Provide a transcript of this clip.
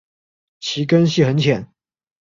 其根系很浅。